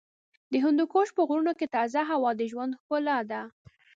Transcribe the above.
د هندوکش په غرونو کې تازه هوا د ژوند ښکلا ده.